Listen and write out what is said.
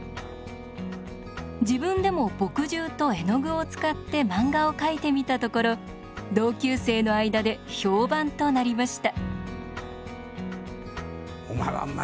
自分でも墨汁と絵の具を使って漫画を描いてみたところ同級生の間で評判となりました。